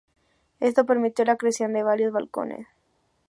Esto permitió la creación de varios balcones.